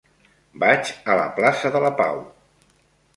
Vaig a la plaça de la Pau.